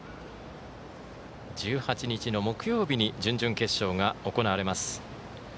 １８日の木曜日に準々決勝が行われます。